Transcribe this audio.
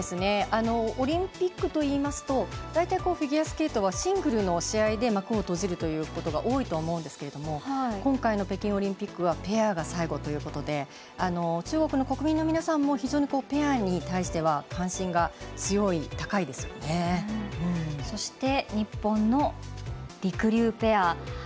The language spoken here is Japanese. オリンピックといいますと大体、フィギュアスケートはシングルの試合で幕を閉じるということが多いと思うんですけど今回の北京オリンピックはペアが最後ということで中国の国民の皆さんもペアに対してはそして日本のりくりゅうペア。